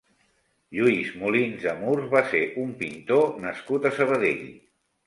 Lluís Molins de Mur va ser un pintor nascut a Sabadell.